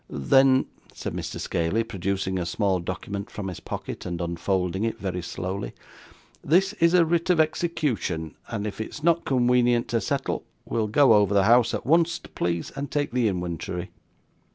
'Then,' said Mr. Scaley, producing a small document from his pocket and unfolding it very slowly, 'this is a writ of execution, and if it's not conwenient to settle we'll go over the house at wunst, please, and take the inwentory.